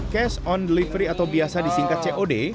cash on delivery atau biasa disingkat cod